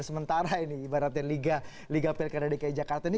sementara ini ibaratnya liga pilkara dki jakarta ini